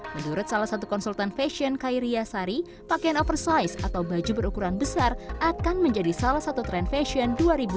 menurut salah satu konsultan fashion kairia sari pakaian oversize atau baju berukuran besar akan menjadi salah satu tren fashion dua ribu dua puluh